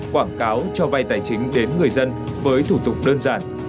quảng cáo cho vay tài chính đến người dân với thủ tục đơn giản